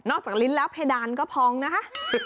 จากลิ้นแล้วเพดานก็พองนะคะ